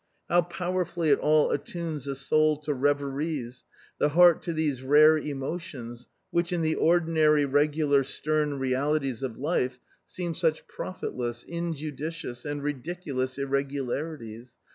How powerfully it all attunes the soul to reveries, the heart to these rare emotions, which in the ordinary, regular stern realities of life seem such profitless, injudicious and ridiculous irregularities